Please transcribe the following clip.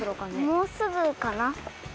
もうすぐかな？